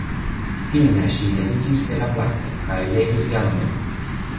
Fine ŝi leviĝis de la planko kaj levis Janjon.